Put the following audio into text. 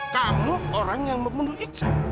kamu orang yang membunuh icar